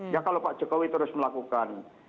ya kalau pak jokowi terus melakukan